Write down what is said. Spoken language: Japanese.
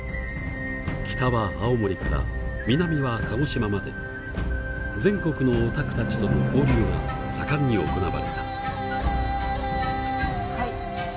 北は青森から南は鹿児島まで全国のオタクたちとの交流が盛んに行われた。